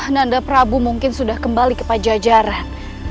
nanda prabu mungkin sudah kembali ke pajajaran